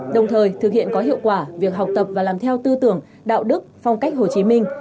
đồng thời thực hiện có hiệu quả việc học tập và làm theo tư tưởng đạo đức phong cách hồ chí minh